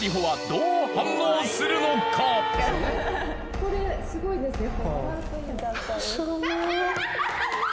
ここからすごいですよ